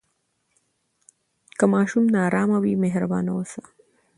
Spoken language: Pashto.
که ماشوم نارامه وي، مهربان اوسه.